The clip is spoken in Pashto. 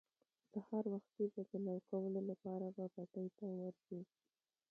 سهار وختي به د لو کولو لپاره به پټي ته ور شو.